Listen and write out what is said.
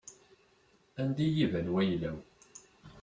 Anda i yi-iban wayla-w.